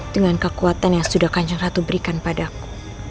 dengan kekuatan yang sudah ganjaratu berikan padaku